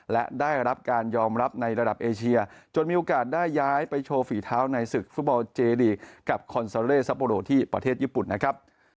และได้รับการยอมรับในระดับเอเชียจนมีโอกาสได้ย้ายไปโชว์ฝีเท้าในศึกฟุตบอลเจดีกับคอนซาเลซัปโดที่ประเทศญี่ปุ่นนะครับ